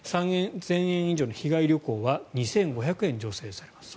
３０００円以上の日帰り旅行は２５００円助成されます。